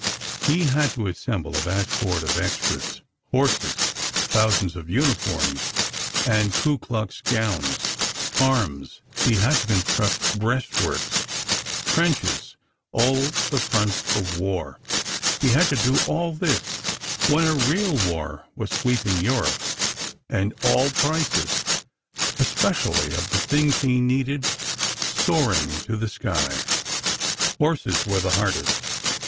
He had to assemble a vast horde of extras, horses, thousands of uniforms and Ku Klux gowns; arms; he had to construct breastworks, trenches—all the front of war; he had to do all this when a real war was sweeping Europe, and all prices, especially of the things he needed, soaring to the sky. Horses were the hardest.